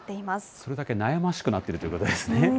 それだけ悩ましくなってるということですね。